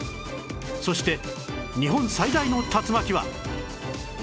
そして日本最大の竜巻は？